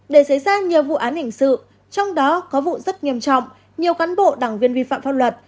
để xảy ra nhiều vụ án hình sự trong đó có vụ rất nghiêm trọng nhiều cán bộ đảng viên vi phạm pháp luật